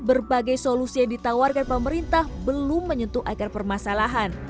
berbagai solusi yang ditawarkan pemerintah belum menyentuh akar permasalahan